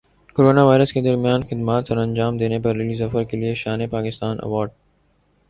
corona virus کے دوران خدمات سرانجام دینے پر علی ظفر کیلئے شان پاکستان ایوارڈ